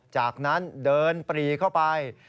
จากนั้นเดินปรีเข้าไป